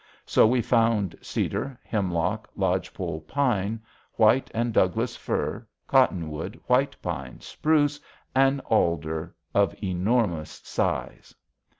So we found cedar, hemlock, lodge pole pine, white and Douglas fir, cottonwood, white pine, spruce, and alder of enormous size.